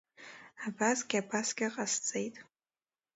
Абасгьы-абасгьы ҟасҵеит…